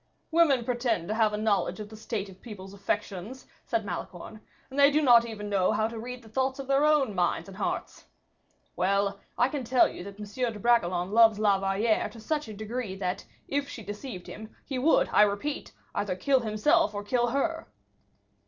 "Women pretend to have a knowledge of the state of people's affections," said Malicorne, "and they do not even know how to read the thoughts of their own minds and hearts. Well, I can tell you that M. de Bragelonne loves La Valliere to such a degree that, if she deceived him, he would, I repeat, either kill himself or kill her."